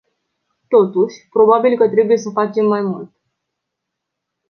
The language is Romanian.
Totuși, probabil că trebuie să facem mai mult.